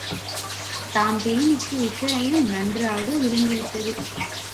தான்பிரீனுக்கு விஷயம் நன்றாக விளங்கிவிட்டது.